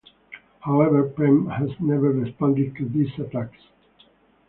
However Prem has never responded to these attacks.